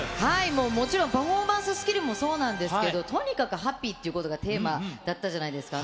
もう、もちろんパフォーマンススキルもそうなんですけど、とにかくハッピーっていうことがテーマだったじゃないですか。